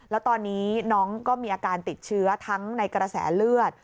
แล้วตอนนี้น้องก็มีอาการติดเชื้อทั้งในกระแสเลือด